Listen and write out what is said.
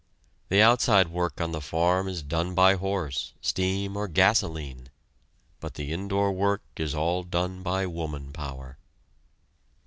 The outside work on the farm is done by horse, steam, or gasoline, but the indoor work is all done by woman power.